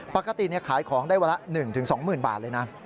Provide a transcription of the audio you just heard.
ปกติขายของได้วันละ๑๒๐๐๐บาทเลยนะ